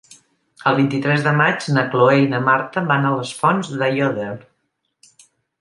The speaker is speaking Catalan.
El vint-i-tres de maig na Cloè i na Marta van a les Fonts d'Aiòder.